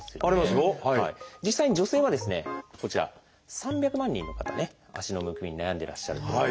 実際に女性はこちら３００万人の方ね足のむくみに悩んでらっしゃるという。